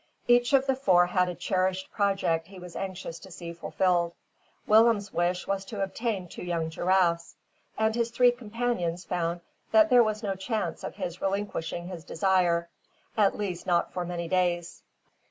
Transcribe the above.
Each of the four had a cherished project he was anxious to see fulfilled. Willem's wish was to obtain two young giraffes; and his three companions found that there was no chance of his relinquishing his design, at least, not for many days.